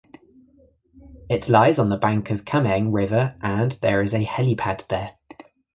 It lies on the bank of Kameng River and there is a helipad there.